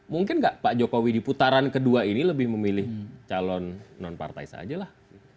mungkin nggak pak jokowi di putaran kedua ini lebih memilih calon non partai saja lah